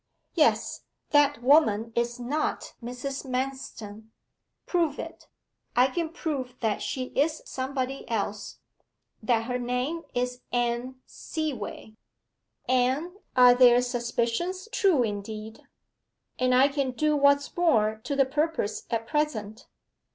'Yes. That woman is not Mrs. Manston.' 'Prove it.' 'I can prove that she is somebody else that her name is Anne Seaway.' 'And are their suspicions true indeed!' 'And I can do what's more to the purpose at present.